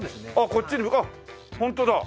こっちにあっホントだ。